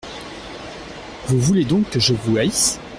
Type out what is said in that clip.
Vous voulez donc que je vous haïsse ?